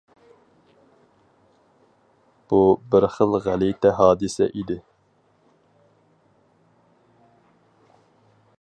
بۇ بىر خىل غەلىتە ھادىسە ئىدى.